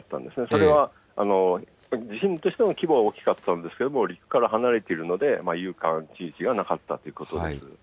それは地震としての規模は大きかったんですけれども、陸から離れているので、有感ではなかったということです。